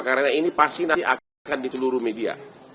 karena ini pasti akan di seluruh media